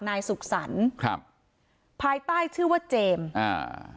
นายสุขสรรค์ครับภายใต้ชื่อว่าเจมส์อ่า